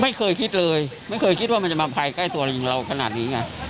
ไม่เคยคิดเลยไม่เคยคิดว่ามันจะมาภัยใกล้ตัวยิงเราขนาดนี้ไง